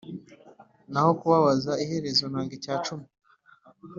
hano kubabaza iherezo ntanga icya cumi;